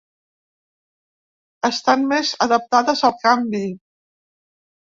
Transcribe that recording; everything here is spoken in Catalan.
Estan més adaptades al canvi.